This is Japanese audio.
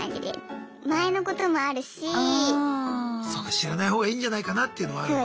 知らない方がいいんじゃないかなっていうのもあるんだ。